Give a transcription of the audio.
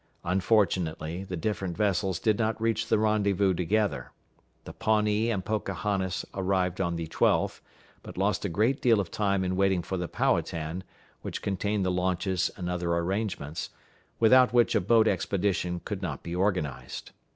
Unfortunately, the different vessels did not reach the rendezvous together. The Pawnee and Pocahontas arrived on the 12th, but lost a great deal of time in waiting for the Powhatan, which contained the launches and other arrangements, without which a boat expedition could not be organized.